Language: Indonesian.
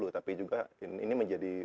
tapi juga ini menjadi